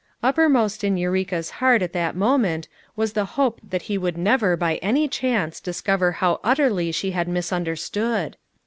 Uppermost in Eureka's heart at that moment was the hope that he would never by any chance discover how utterly she bad misunder stood.